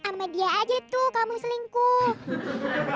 eh sama dia aja tuh kamu selingkuh